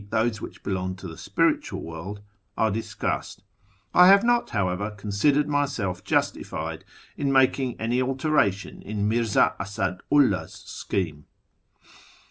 those which belong to the Spiritual World), are discussed. I have not, however, con sidered myself justified in making any alteration in Mirza Asadu 'llah's scheme.